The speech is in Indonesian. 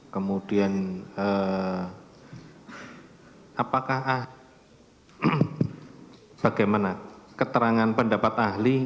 kemudian apakah bagaimana keterangan pendapat ahli